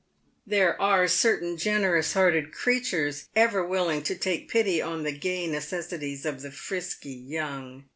There are certain generous hearted creatures ever willing to take pity on the gay necessities of the frisky young.